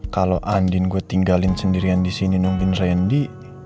kalau andin gue tinggalin sendirian disini nungguin rendy